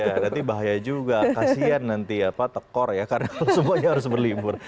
ya nanti bahaya juga kasian nanti apa tekor ya karena semuanya harus berlibur